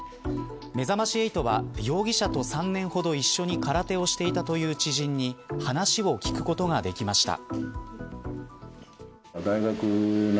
めざまし８は容疑者と３年ほど一緒に空手をしていたという知人に話を聞くことができました。